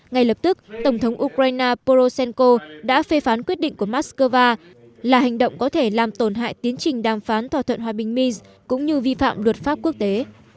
ngay lập tức tổng thống ukraine poroshenko đã phê phán quyết định của moscow là hành động có thể làm tổn hại tiến trình đàm phán thỏa thuận hòa bình mis cũng như vi phạm luật pháp quốc tế